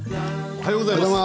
おはようございます。